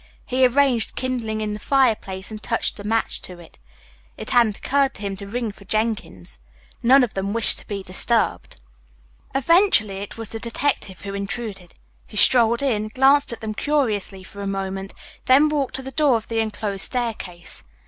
He arranged kindling in the fireplace and touched a match to it. It hadn't occurred to him to ring for Jenkins. None of them wished to be disturbed. Eventually it was the detective who intruded. He strolled in, glanced at them curiously for a moment, then walked to the door of the enclosed staircase.